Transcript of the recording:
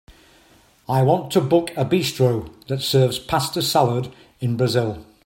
I want to book a bistro that serves pasta salad in Brazil.